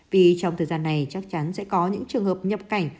vì trong thời gian này chắc chắn sẽ có những trường hợp nhập cảnh